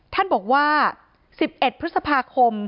ท่านบอกว่า๑๑พฤษภาคม